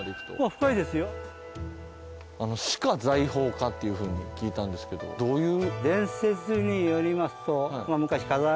深いですよ。っていうふうに聞いたんですけどどういう。